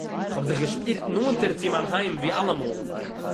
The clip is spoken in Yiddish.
איך האָב זיך געשפּירט נאָענטער צו מיין היים ווי אַלעמאָל